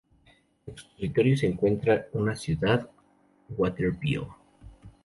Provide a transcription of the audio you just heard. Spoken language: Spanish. En su territorio se encuentra una ciudad, Waterville.